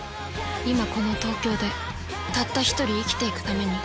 「今この東京でたった一人生きていくために」